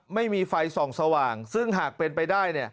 ไม่มีไฟส่องสว่างซึ่งหากเป็นไปได้